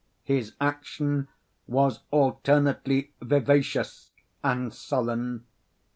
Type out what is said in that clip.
His action was alternately vivacious and sullen.